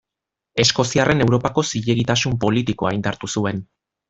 Eskoziarren Europako zilegitasun politikoa indartu zuen.